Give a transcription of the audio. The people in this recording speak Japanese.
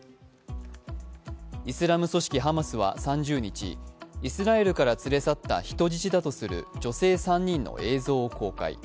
イスラム組織ハマスは３０日イスラエルから連れ去った人質だとする女性３人の映像を公開。